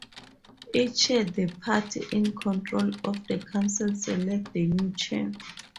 Each year the party in control of the council selects the new chair.